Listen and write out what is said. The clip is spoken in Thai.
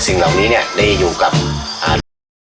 สิ่งเหล่านี้เนี่ยได้อยู่กับ